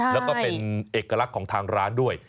แล้วก็เป็นเอกลักษณ์ของทางร้านด้วย